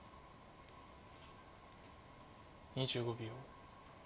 ２５秒。